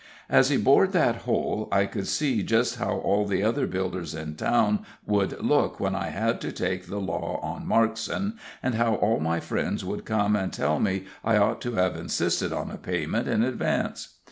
As he bored that hole I could see just how all the other builders in town would look when I had to take the law on Markson, and how all my friends would come and tell me I ought to have insisted on a payment in advance.